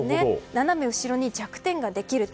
斜め後ろに弱点ができる。